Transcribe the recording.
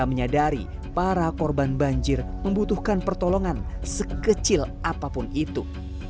menyadari para korban banjir membutuhkan pertolongan sekecil apapun itu